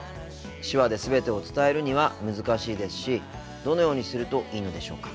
手話で全てを伝えるには難しいですしどのようにするといいのでしょうか。